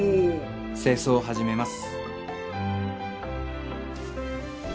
清掃始めます。